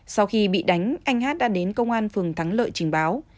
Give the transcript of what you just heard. sau khi bị đánh anh hát đã đến công an phường thắng lợi trình báo